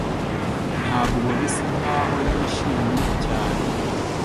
Ntabwo bisa nkaho yishimye cyane